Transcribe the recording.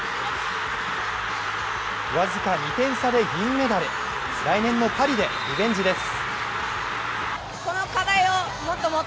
僅か２点差で銀メダル来年のパリでリベンジです。